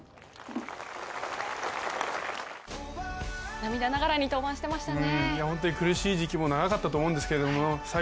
涙ながらに登板してましたね。